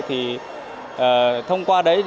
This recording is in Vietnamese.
thì thông qua đấy